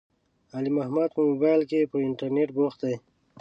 علي محمد په مبائل کې، په انترنيت بوخت دی.